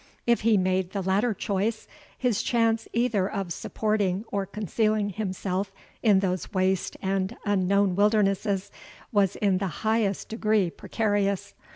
If he made the latter choice, his chance either of supporting or concealing himself in those waste and unknown wildernesses, was in the highest degree precarious.